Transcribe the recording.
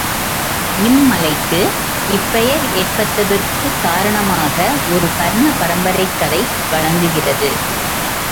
இம் மலைக்கு இப் பெயர் ஏற்பட்டதற்குக் காரணமாக ஒரு கர்ண பரம்பரைக் கதை வழங்குகிறது.